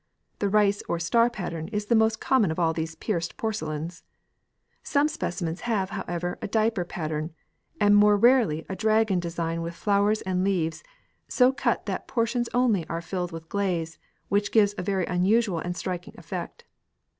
The rice or star pattern is the most common of all these pierced porcelains. Some specimens have, however, a diaper pattern, and more rarely a dragon design with flowers and leaves, so cut that portions only are filled with glaze, which gives a very unusual and striking effect.